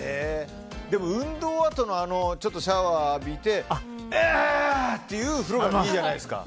でも運動あとのシャワーを浴びてああっていうのがいいじゃないですか。